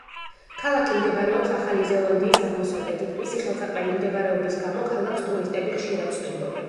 ქალაქი მდებარეობს ახალი ზელანდიის აღმოსავლეთით, მისი ხელსაყრელი მდებარეობის გამო ქალაქს ტურისტები ხშირად სტუმრობენ.